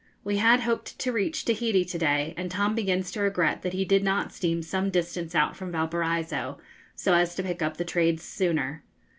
We had hoped to reach Tahiti to day, and Tom begins to regret that he did not steam some distance out from Valparaiso, so as to pick up the trades sooner.